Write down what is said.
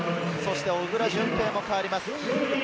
小倉順平も代わります。